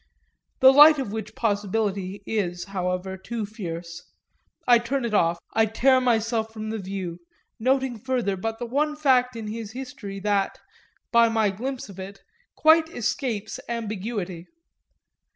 The light of which possibility is, however, too fierce; I turn it off, I tear myself from the view noting further but the one fact in his history that, by my glimpse of it, quite escapes ambiguity.